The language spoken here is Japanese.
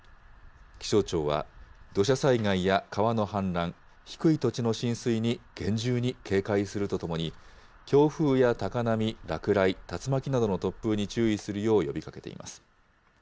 気象庁は、土砂災害や川の氾濫、低い土地の浸水に厳重に警戒するとともに、強風や高波、落雷、竜巻などの突風に注意するよう呼びかけています。